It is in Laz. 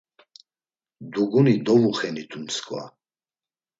Duguni dovuxenitu msǩva.